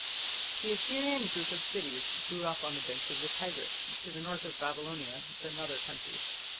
The Assyrian group of cities grew up on the banks of the Tigris to the north of Babylonia, the mother country.